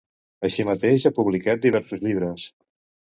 Així mateix, ha publicat diversos llibres.